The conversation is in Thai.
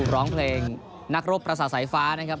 ร้องเพลงนักรบประสาทสายฟ้านะครับ